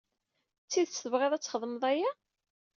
D tidet tebɣiḍ ad txedmeḍ aya?